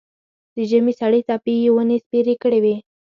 د ژمي سړې څپې یې ونې سپېرې کړې وې.